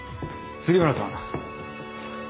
杉村さん